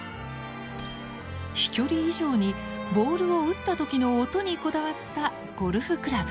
飛距離以上にボールを打った時の音にこだわったゴルフクラブ。